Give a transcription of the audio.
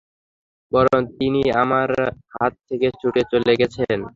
বরং তিনি আমার হাত থেকে ছুটে চলে গেছেন।